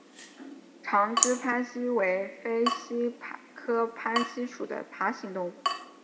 长肢攀蜥为飞蜥科攀蜥属的爬行动物。